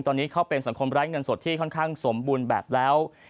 ตอนนี้เขาเป็นสังคมไร้เงินสดที่ค่อนข้างสมบูรณ์แบบแล้ว